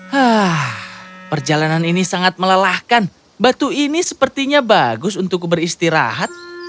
hah perjalanan ini sangat melelahkan batu ini sepertinya bagus untuk beristirahat